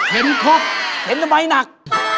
เห็นคกเห็นทำไมหนัก